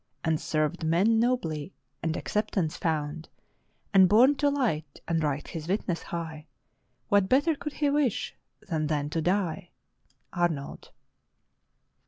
And served men nobly, and acceptance found, And borne to Hght and right his witness high, What better could he wish than then to die?" — Arnold.